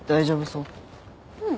うん。